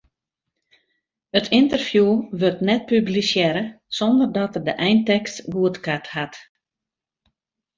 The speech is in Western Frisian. It ynterview wurdt net publisearre sonder dat er de eintekst goedkard hat.